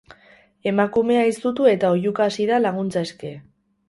Emakumea izutu eta oihuka hasi da laguntza eske.